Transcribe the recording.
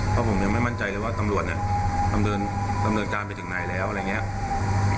เพราะผมยังไม่มั่นใจเลยว่าตำรวจเนี่ยดำเนินการไปถึงไหนแล้วอะไรอย่างนี้